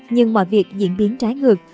nhưng mọi việc diễn biến trái ngược